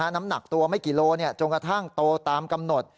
น้ำหนักตัวไม่กิโลจนกระทั่งโตตามกำหนด